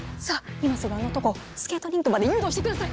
今すぐあの男をスケートリンクまで誘導してください！